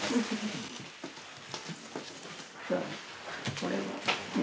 これは何？